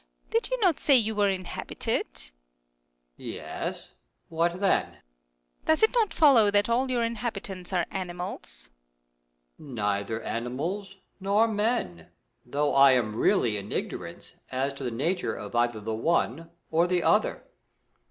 Did you not say you were inhabited ? Moon. Yes, what then ? Earth. Does it not follow that all your inhabitants are animals ? Moon. Neither animals nor men, though I am really in ignorance as to the nature of either the one or the other.